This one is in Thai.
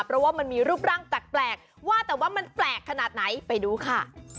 เพราะว่ามันมีรูปร่างแปลกว่าแต่ว่ามันแปลกขนาดไหนไปดูค่ะ